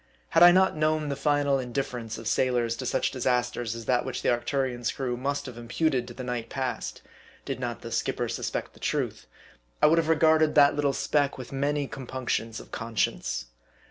Had I not known the final indifference of sailors to such disasters as that which the Arcturion's crew must have imputed to the night past (did not the skipper suspect the truth) I would have regarded that little speck with many compunctions of conscience.